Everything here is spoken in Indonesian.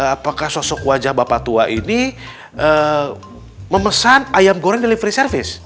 apakah sosok wajah bapak tua ini memesan ayam goreng delivery service